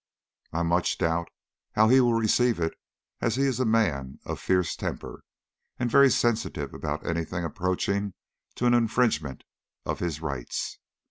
I much doubt how he will receive it, as he is a man of fierce temper, and very sensitive about anything approaching to an infringement of his rights.